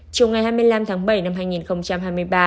chiều ngày hai mươi năm tháng bảy năm hai nghìn hai mươi ba